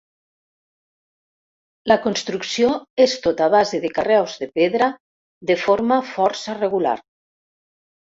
La construcció és tot a base de carreus de pedra de forma força regular.